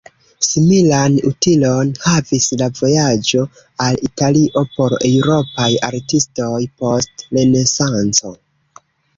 Similan utilon havis la vojaĝo al Italio por eŭropaj artistoj post Renesanco.